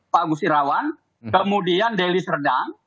pak gusirawan kemudian deli serdang